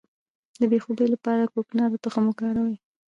د بې خوبۍ لپاره د کوکنارو تخم وکاروئ